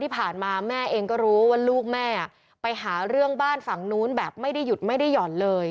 ไปหาเรื่องบ้านฝั่งนู้นแบบไม่ได้หยุดไม่ได้หย่อนเลย